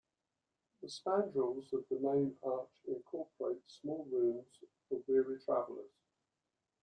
The spandrels of the main arch incorporate small rooms for weary travelers.